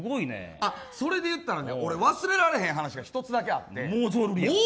それで言ったら俺、忘れられへん話１つだけあって。